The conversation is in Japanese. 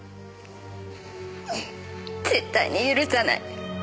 絶対に許さない。